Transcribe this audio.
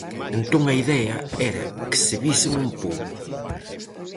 Entón a idea era que se visen un pouco.